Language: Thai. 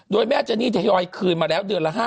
โดยแม่เจนี่ทยอยคืนมาแล้วเดือนละ๕๐๐